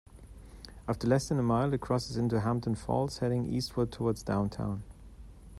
After less than a mile, it crosses into Hampton Falls, heading eastward towards downtown.